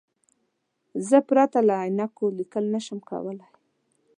زه پرته له عینکو لیکل نشم کولای.